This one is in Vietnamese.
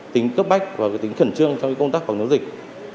tính cấp bách và tính khẩn trương trong công tác phòng chống dịch